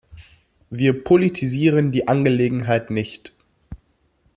Wir politisieren die Angelegenheit nicht.